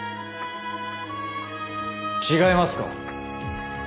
違いますか？